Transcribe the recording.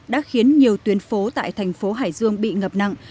đã khiến nhiều tuyến phố tại thành phố hải dương bị ngập nặng